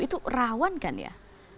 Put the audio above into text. itu rawan kan ya